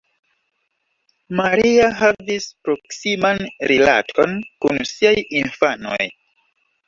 Maria havis proksiman rilaton kun siaj infanoj.